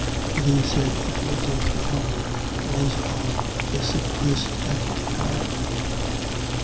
It is said upwards of three hundred was on the sick list at one time.